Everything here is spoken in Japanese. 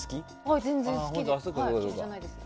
はい、全然好きです。